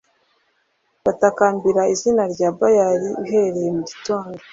Batakambira izina rya Bayali uhereye mu gitondo